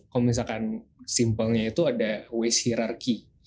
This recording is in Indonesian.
kalau misalkan simpelnya itu ada waste hirarki